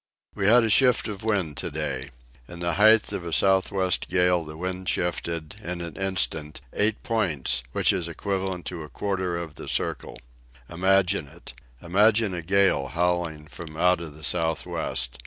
We had a shift of wind to day. In the height of a south west gale the wind shifted, in the instant, eight points, which is equivalent to a quarter of the circle. Imagine it! Imagine a gale howling from out of the south west.